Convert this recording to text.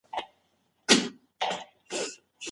د دلارام په ښوونځي کي د کمپیوټر زده کړې ته پاملرنه کېږي.